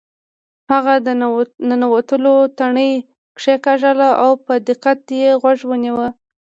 هغه د ننوتلو تڼۍ کیکاږله او په دقت یې غوږ ونیو